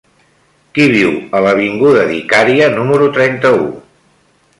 Qui viu a l'avinguda d'Icària número trenta-u?